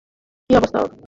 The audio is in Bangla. কী অবস্থা ওর?